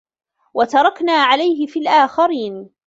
وَتَرَكنا عَلَيهِ فِي الآخِرينَ